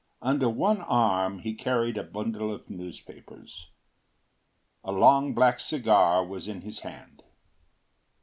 Under one arm he carried a bundle of newspapers. A long black cigar was in his hand.